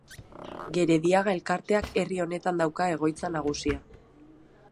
Gerediaga Elkarteak herri honetan dauka egoitza nagusia.